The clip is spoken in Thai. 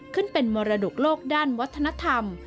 ขึ้นเป็นมรดกโลกด้านวัฒนธรรม